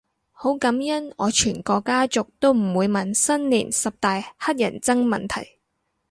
好感恩我全個家族都唔會問新年十大乞人憎問題